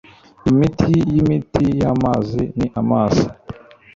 Imiti yimiti yamazi ni amazi